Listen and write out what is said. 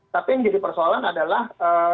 tapi yang jadi persoalan adalah